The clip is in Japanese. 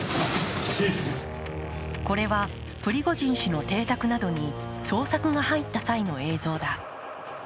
これはプリゴジン氏の邸宅などに捜索が入った際の映像だ。